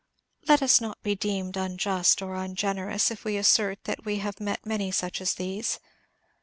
Let us not be deemed unjust or ungenerous if we assert that we have met many such as these.